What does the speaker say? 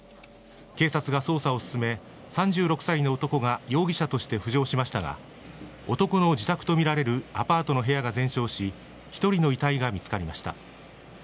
警察が捜査を進め、３６歳の男が容疑者として浮上しましたが、男の自宅と見られるアパートの部屋が全焼し、１人の遺体が見つかりました。